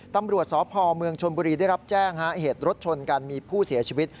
ตำรวจสพเมืองชนบุรีได้รับแจ้งเหตุรถชนกันมีผู้เสียชีวิต